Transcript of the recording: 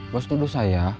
bos tuduh saya